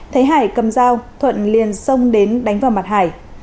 thấy hải cầm dao thuận liền xông đến đánh vào mặt hải